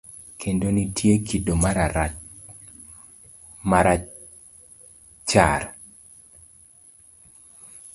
Kendo nitie kido marachar.